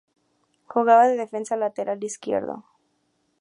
Jugaba de defensa lateral izquierdo.